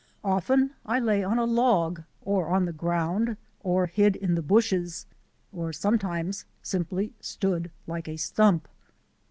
Often I lay on a log or on the ground, or hid in the bushes, or sometimes simply stood like a stump.